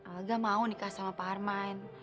olga mau nikah sama pak harmaid